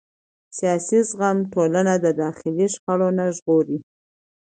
سیاسي زغم ټولنه د داخلي شخړو نه ژغوري